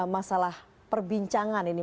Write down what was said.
masalah perbincangan ini